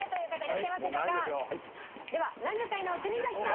ではランジャタイの国崎さん